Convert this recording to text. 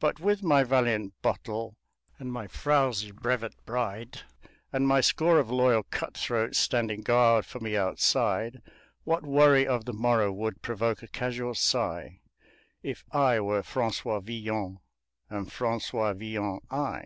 But, with my valiant bottle and my frouzy brevet bride, And my score of loyal cut throats standing guard for me outside, What worry of the morrow would provoke a casual sigh If I were Francois Villon and Francois Villon I?